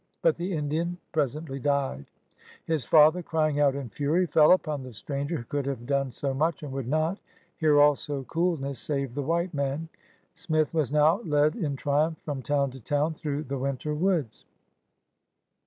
But the Indian presently died. His father, crying out in fury, fell upon the stranger who could have done so much and would not! Here also coolness saved the white man. Smith was now led in triumph from town to town through the winter woods.